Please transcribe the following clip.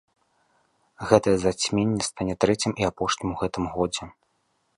Гэтае зацьменне стане трэцім і апошнім у гэтым годзе.